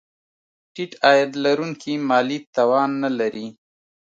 ټیټ عاید لرونکي مالي توان نه لري.